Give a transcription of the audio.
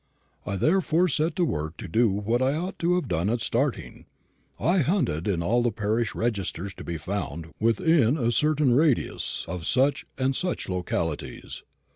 I therefore set to work to do what I ought to have done at starting I hunted in all the parish registers to be found within a certain radius of such and such localities.